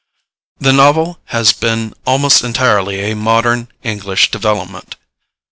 The novel has been almost entirely a modern English development.